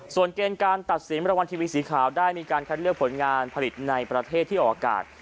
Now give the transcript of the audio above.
ส่วนเกณฑ์การตัดสินรางวัลทีวีสีขาวได้มีการคัดเลือกผลงานผลิตในประเทศที่ออกอากาศ